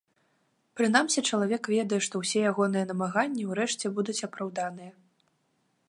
Прынамсі, чалавек ведае, што ўсе ягоныя намаганні ўрэшце будуць апраўданыя.